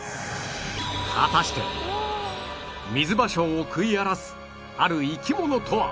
果たしてミズバショウを食い荒らすある生き物とは？